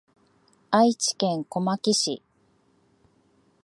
愛知県小牧市